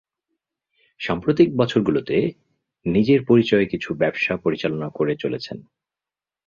সাম্প্রতিক বছরগুলোতে নিজের পরিচয়ে কিছু ব্যবসা পরিচালনা করে চলেছেন।